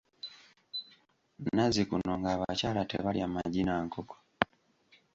Nazzikuno ng’abakyala tebalya magi na nkoko.